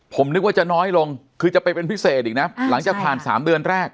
ผมนึกว่าจะน้อยลงคือจะไปเป็นพิเศษอีกนะหลังจากผ่าน๓เดือนแรก